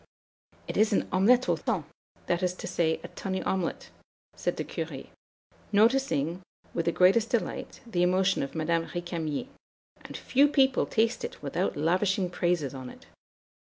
"'It is an omelette au thon' (that is to say, a tunny omelet), said the Curé, noticing, with the greatest delight, the emotion of Madame Récamier, 'and few people taste it without lavishing praises on it.'